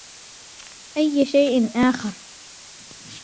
أي شيء آخر.